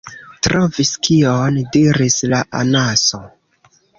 “Trovis kion?” diris la Anaso.